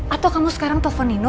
atau kamu sekarang telepon nino